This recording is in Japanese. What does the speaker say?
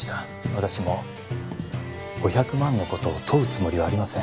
私も５００万のことを問うつもりはありません